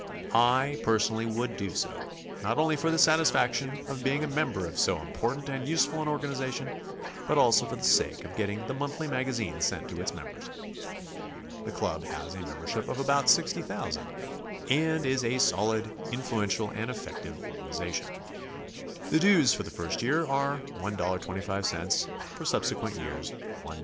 C., T personally would do so, not only for the satisfaction of being a member of so important and useful an organization, but also for the sake of getting the monthly magazine sent to its members. The club has a membership of about 60,000, and is a solid, influential and effective organization. ITie dues for the first y ear are $1.25; for subsequent years $1.00.